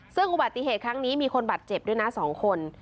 ซึ่งอุบัติเหตุครั้งนี้มีคนบาดเจ็บด้วยนะ๒คน